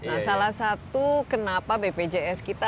nah salah satu kenapa bpjs kita